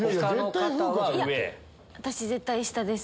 私絶対下です。